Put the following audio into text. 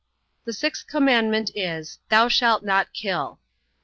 The sixth commandment is, Thou shalt not kill.